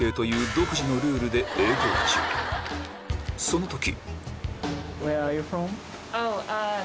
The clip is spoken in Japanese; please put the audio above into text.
その時！